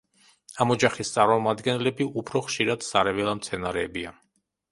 ამ ოჯახის წარმომადგენლები უფრო ხშირად სარეველა მცენარეებია.